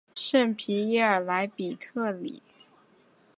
圣皮耶尔莱比特里。